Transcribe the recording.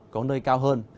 có nơi cao hơn